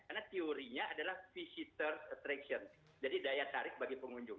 karena teorinya adalah visitor attraction jadi daya tarik bagi pengunjung